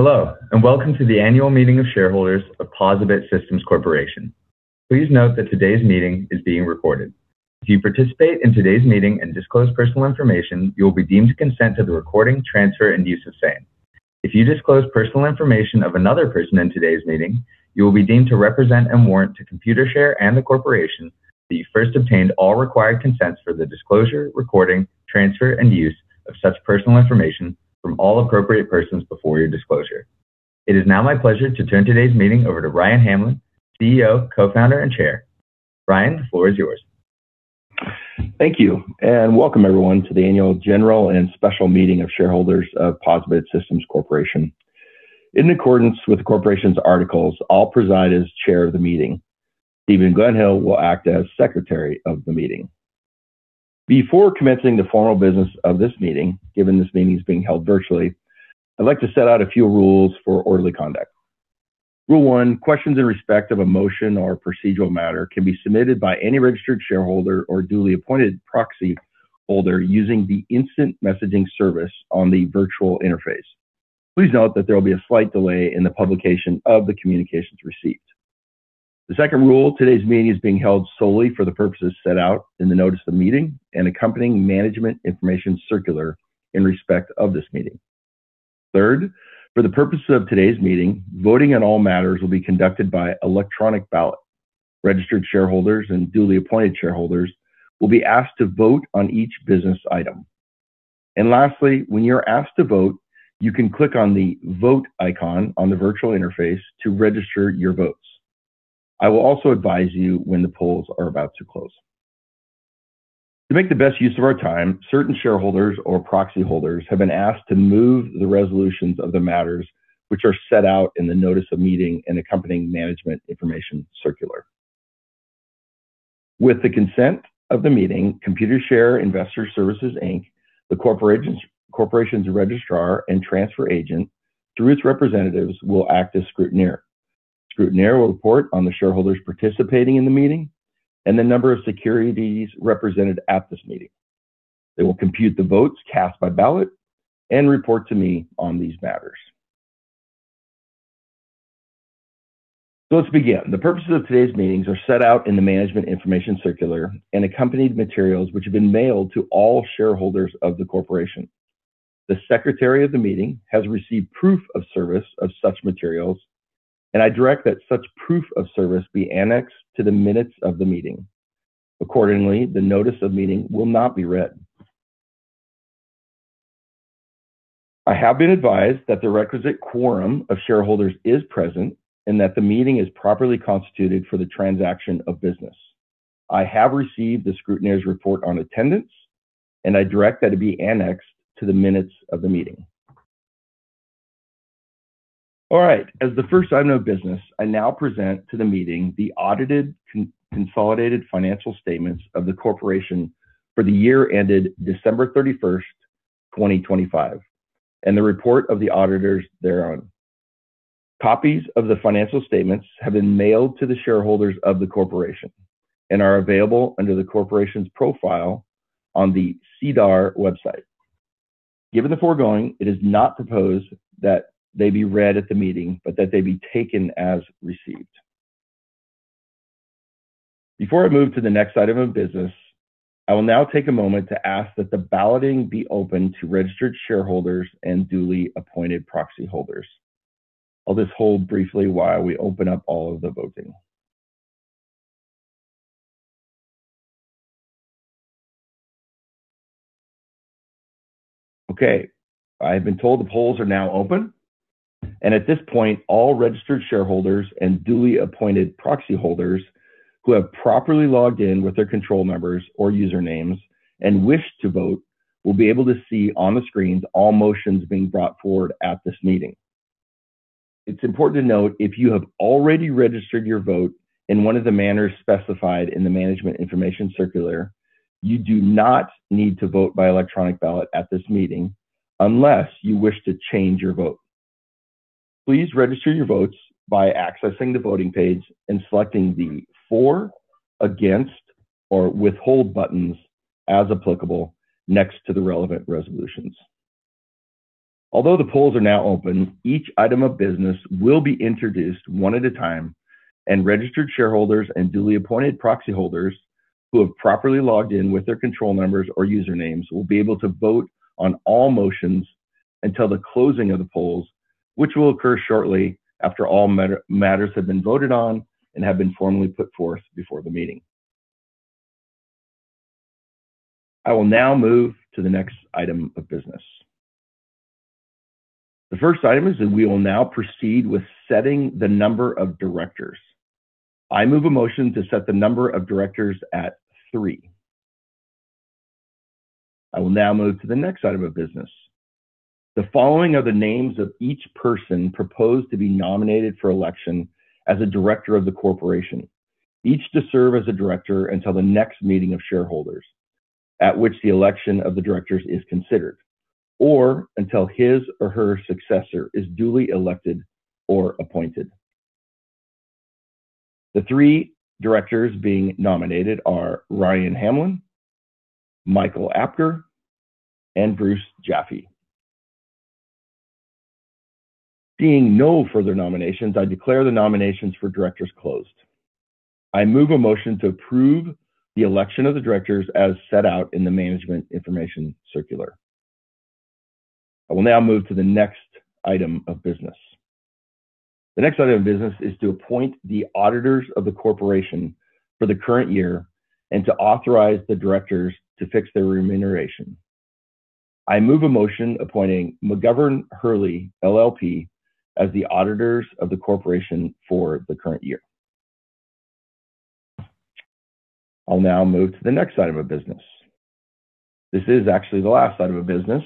Hello, welcome to the annual meeting of shareholders of POSaBIT Systems Corporation. Please note that today's meeting is being recorded. If you participate in today's meeting and disclose personal information, you will be deemed to consent to the recording, transfer, and use of same. If you disclose personal information of another person in today's meeting, you will be deemed to represent and warrant to Computershare and the Corporation that you first obtained all required consents for the disclosure, recording, transfer, and use of such personal information from all appropriate persons before your disclosure. It is now my pleasure to turn today's meeting over to Ryan Hamlin, CEO, Co-Founder, and Chair. Ryan, the floor is yours. Thank you, welcome, everyone, to the annual general and special meeting of shareholders of POSaBIT Systems Corporation. In accordance with the Corporation's articles, I'll preside as Chair of the meeting. Stephen Gledhill will act as Secretary of the meeting. Before commencing the formal business of this meeting, given this meeting is being held virtually, I'd like to set out a few rules for orderly conduct. Rule one, questions in respect of a motion or procedural matter can be submitted by any registered shareholder or duly appointed proxy holder using the instant messaging service on the virtual interface. Please note that there will be a slight delay in the publication of the communications received. The second rule, today's meeting is being held solely for the purposes set out in the notice of the meeting and accompanying management information circular in respect of this meeting. Third, for the purposes of today's meeting, voting on all matters will be conducted by electronic ballot. Registered shareholders and duly appointed shareholders will be asked to vote on each business item. Lastly, when you're asked to vote, you can click on the vote icon on the virtual interface to register your votes. I will also advise you when the polls are about to close. To make the best use of our time, certain shareholders or proxy holders have been asked to move the resolutions of the matters which are set out in the notice of meeting and accompanying management information circular. With the consent of the meeting, Computershare Investor Services Inc., the Corporation's registrar and transfer agent, through its representatives, will act as scrutineer. Scrutineer will report on the shareholders participating in the meeting and the number of securities represented at this meeting. They will compute the votes cast by ballot and report to me on these matters. Let's begin. The purposes of today's meetings are set out in the management information circular and accompanied materials, which have been mailed to all shareholders of the Corporation. The Secretary of the meeting has received proof-of-service of such materials, I direct that such proof-of-service be annexed to the minutes of the meeting. Accordingly, the notice of meeting will not be read. I have been advised that the requisite quorum of shareholders is present and that the meeting is properly constituted for the transaction of business. I have received the scrutineer's report on attendance, I direct that it be annexed to the minutes of the meeting. All right. As the first item of business, I now present to the meeting the audited consolidated financial statements of the Corporation for the year ended December 31st, 2025, and the report of the auditors thereon. Copies of the financial statements have been mailed to the shareholders of the Corporation and are available under the corporation's profile on the SEDAR+ website. Given the foregoing, it is not proposed that they be read at the meeting, but that they be taken as received. Before I move to the next item of business, I will now take a moment to ask that the balloting be open to registered shareholders and duly appointed proxy holders. I'll just hold briefly while we open up all of the voting. Okay. I've been told the polls are now open, and at this point, all registered shareholders and duly appointed proxy holders who have properly logged in with their control numbers or usernames and wish to vote will be able to see on the screens all motions being brought forward at this meeting. It's important to note if you have already registered your vote in one of the manners specified in the management information circular, you do not need to vote by electronic ballot at this meeting unless you wish to change your vote. Please register your votes by accessing the voting page and selecting the for, against, or withhold buttons as applicable next to the relevant resolutions. Although the polls are now open, each item of business will be introduced one at a time, and registered shareholders and duly appointed proxy holders who have properly logged in with their control numbers or usernames will be able to vote on all motions until the closing of the polls, which will occur shortly after all matters have been voted on and have been formally put forth before the meeting. I will now move to the next item of business. The first item is that we will now proceed with setting the number of directors. I move a motion to set the number of directors at three. I will now move to the next item of business. The following are the names of each person proposed to be nominated for election as a director of the corporation, each to serve as a director until the next meeting of shareholders at which the election of the directors is considered, or until his or her successor is duly elected or appointed. The three directors being nominated are Ryan Hamlin, Mike Apker, and Bruce Jaffe. Seeing no further nominations, I declare the nominations for directors closed. I move a motion to approve the election of the directors as set out in the management information circular. I will now move to the next item of business. The next item of business is to appoint the auditors of the corporation for the current year and to authorize the directors to fix their remuneration. I move a motion appointing McGovern Hurley LLP as the auditors of the corporation for the current year. I'll now move to the next item of business. This is actually the last item of business.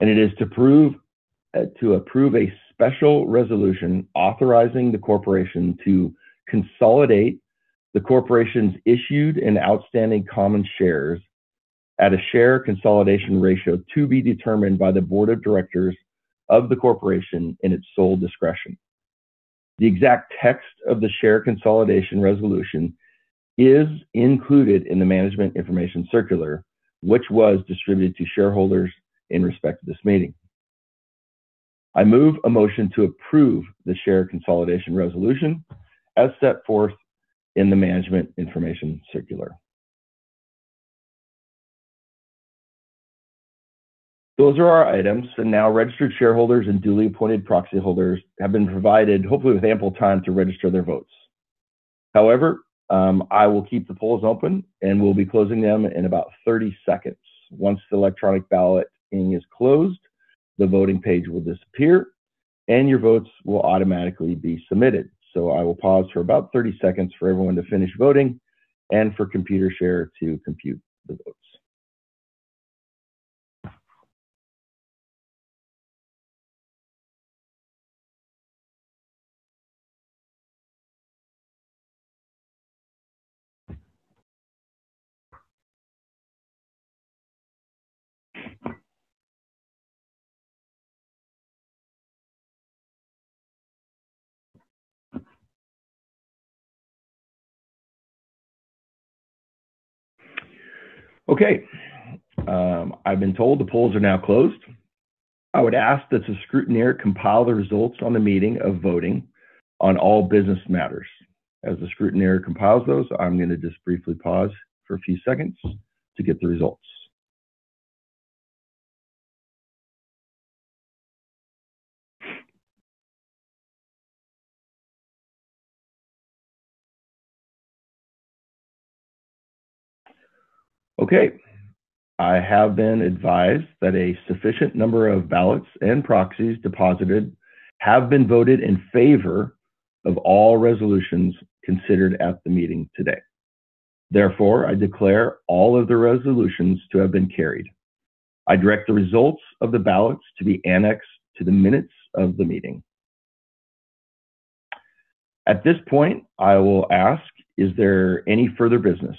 It is to approve a special resolution authorizing the corporation to consolidate the corporation's issued and outstanding common shares at a share consolidation ratio to be determined by the board of directors of the corporation in its sole discretion. The exact text of the share consolidation resolution is included in the management information circular, which was distributed to shareholders in respect to this meeting. I move a motion to approve the share consolidation resolution as set forth in the management information circular. Those are our items. Now registered shareholders and duly appointed proxy holders have been provided, hopefully with ample time, to register their votes. However, I will keep the polls open, and we'll be closing them in about 30 seconds. Once the electronic balloting is closed, the voting page will disappear, and your votes will automatically be submitted. I will pause for about 30 seconds for everyone to finish voting and for Computershare to compute the votes. Okay. I've been told the polls are now closed. I would ask that the scrutineer compile the results on the meeting of voting on all business matters. As the scrutineer compiles those, I'm going to just briefly pause for a few seconds to get the results. Okay. I have been advised that a sufficient number of ballots and proxies deposited have been voted in favor of all resolutions considered at the meeting today. Therefore, I declare all of the resolutions to have been carried. I direct the results of the ballots to be annexed to the minutes of the meeting. At this point, I will ask, is there any further business?